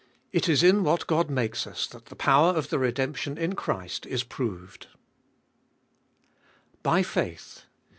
It is in what God mahes us, that the power of the redemption in Christ is proved. 3. By faith.